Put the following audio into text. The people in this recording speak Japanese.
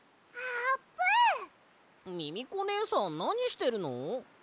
ミミコねえさんなにしてるの？